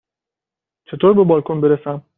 چطور به بالکن برسم؟